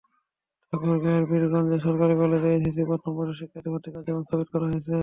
ঠাকুরগাঁওয়ের পীরগঞ্জ সরকারি কলেজে এইচএসসি প্রথম বর্ষে শিক্ষার্থী ভর্তি কার্যক্রম স্থগিত করা হয়েছে।